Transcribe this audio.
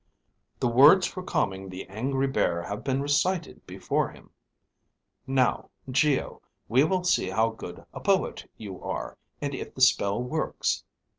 "The words for calming the angry bear have been recited before him. Now, Geo, we will see how good a poet you are, and if the spell works."